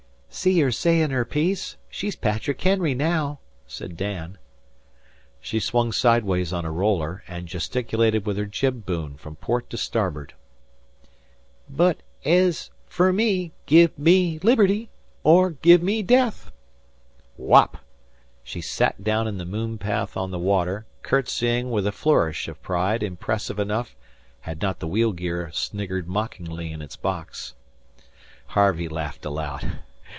"See her sayin' her piece. She's Patrick Henry naow," said Dan. She swung sideways on a roller, and gesticulated with her jib boom from port to starboard. "But ez fer me, give me liberty er give me death!" Wop! She sat down in the moon path on the water, courtesying with a flourish of pride impressive enough had not the wheel gear sniggered mockingly in its box. Harvey laughed aloud.